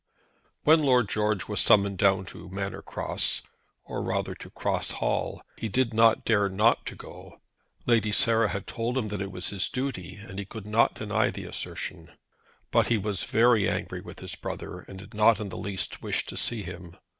When Lord George was summoned down to Manor Cross, or rather, to Cross Hall, he did not dare not to go. Lady Sarah had told him that it was his duty, and he could not deny the assertion. But he was very angry with his brother, and did not in the least wish to see him.